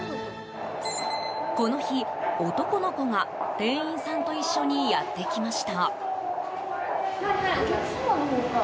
この日、男の子が店員さんと一緒にやってきました。